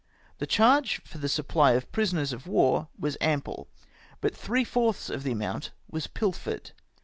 The charge for the supply of prisoners of war was ample, but three fourths of the amount was pilfered.